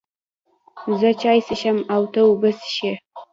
زه چای څښم او ته اوبه څښې